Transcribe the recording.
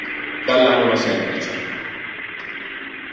Dall'anima semplice.